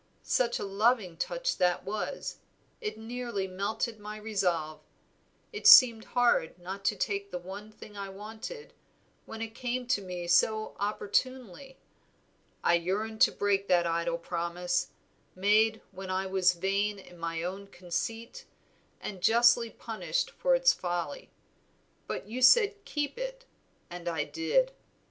Such a loving touch that was! it nearly melted my resolve, it seemed hard not to take the one thing I wanted, when it came to me so opportunely. I yearned to break that idle promise, made when I was vain in my own conceit, and justly punished for its folly; but you said keep it, and I did.